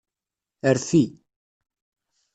Rfi.